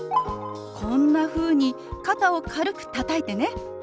こんなふうに肩を軽くたたいてね。